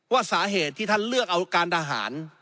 ว่าสาเหตุที่ท่านเลือกเอาการทหาร